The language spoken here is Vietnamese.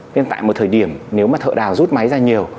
nên tại một thời điểm nếu mà thợ đào rút máy ra nhiều